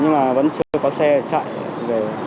nhưng mà vẫn chưa có xe chạy về